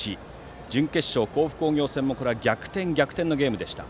準決勝、甲府工業戦も逆転、逆転のゲームでした。